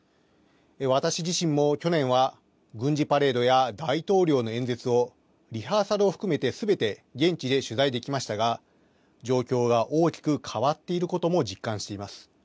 私自身も去年は、軍事パレードや大統領の演説をリハーサルを含めてすべて現地で取材できましたが、状況が大きく変わっていることも実感しています。